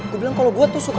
gue bilang kalau gue tuh suka